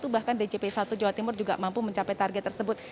bahkan djp satu jawa timur juga mampu mencapai target tersebut